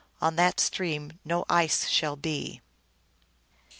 On that stream no ice shall be."